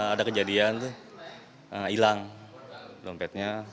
ada kejadian hilang dompetnya